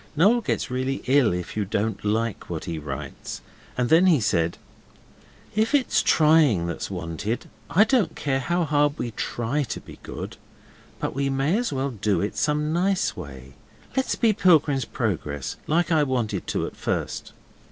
Noel gets really ill if you don't like what he writes, and then he said, 'If it's trying that's wanted, I don't care how hard we TRY to be good, but we may as well do it some nice way. Let's be Pilgrim's Progress, like I wanted to at first.